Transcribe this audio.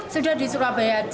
sudah di surabaya aja